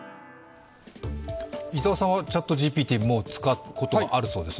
伊沢さんはＣｈａｔＧＰＴを使うことがあるそうですね。